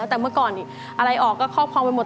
แต่เมื่อก่อนอะไรออกก็ครอบครองไปหมด